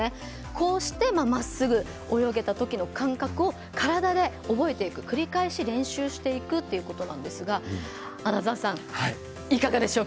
こうしてまっすぐ泳げたときの感覚を体で覚えていく、繰り返し練習していくということなんですが穴澤さん、いかがでしょうか？